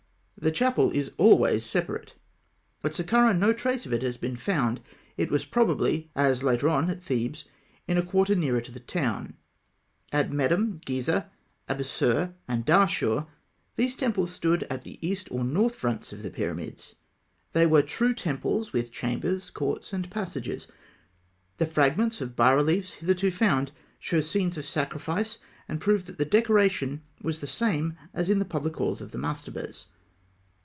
The chapel is always separate. At Sakkarah no trace of it has been found; it was probably, as later on at Thebes, in a quarter nearer to the town. At Medûm, Gizeh, Abûsîr, and Dahshûr, these temples stood at the east or north fronts of the pyramids. They were true temples, with chambers, courts, and passages. The fragments of bas reliefs hitherto found show scenes of sacrifice, and prove that the decoration was the same as in the public halls of the mastabas.